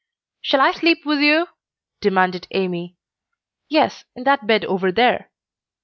"Shall I sleep with you?" demanded Amy, "Yes, in that bed over there."